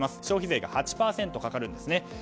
消費税が８％かかるんですね。